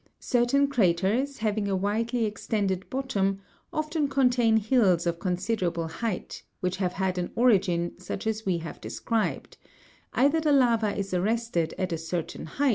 Certain, craters, having a widely extended bottom, often contain hills of considerable height, which have had an origin such as we have described ; either the lava is arrested at a certain height, in Fig.